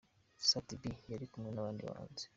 Sat B yari kumwe n'abandi bahanzi.